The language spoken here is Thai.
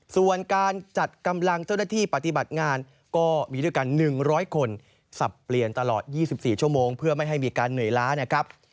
ส่วนการจัดกำลังเจ้าหน้าที่ปฏิบัติงานก็มีด้วยกัน๑๐๐คนสับเปลี่ยนตลอด๒๔ชั่วโมงเพื่อไม่ให้มีการเหนื่อยล้านะครับ